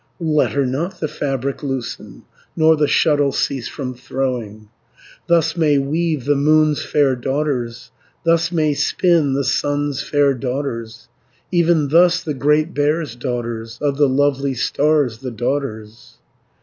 "'Let her not the fabric loosen, Nor the shuttle cease from throwing. 80 Thus may weave the Moon's fair daughters, Thus may spin the Sun's fair daughters, Even thus the Great Bear's daughters. Of the lovely stars the daughters.'